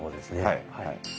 はい。